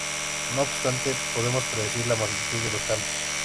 No obstante, podemos predecir la magnitud de los cambios.